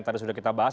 tadi sudah kita bahas